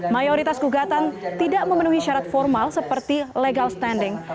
mayoritas gugatan tidak memenuhi syarat formal seperti legal standing